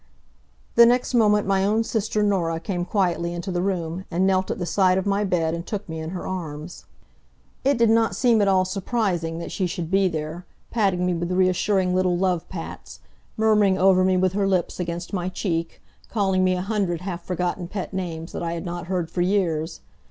The next moment my own sister Norah came quietly into the room, and knelt at the side of my bed and took me in her arms. It did not seem at all surprising that she should be there, patting me with reassuring little love pats, murmuring over me with her lips against my check, calling me a hundred half forgotten pet names that I had not heard for years.